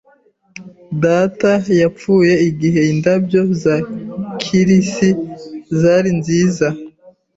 Data yapfuye igihe indabyo za kirisi zari nziza.